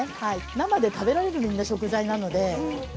生で食べられるみんな食材なので。